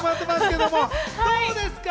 どうですか？